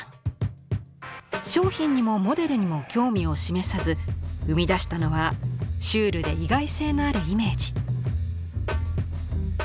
商品にもモデルにも興味を示さず生み出したのはシュールで意外性のあるイメージ。